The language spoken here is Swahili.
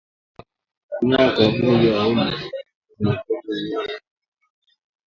Kuenea kwa ugonjwa wa homa ya mapafu kwa mnyama mwenye afya